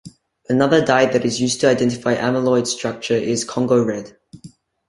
Another dye that is used to identify amyloid structure is Congo Red.